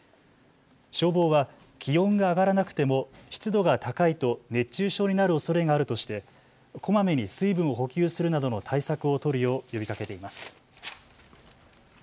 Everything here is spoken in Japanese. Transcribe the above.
消防庁は気温が上がらなくても湿度が高いと熱中症になるおそれがあるとしてこまめに水分を補給するなどの対策を取るよう呼びかけています。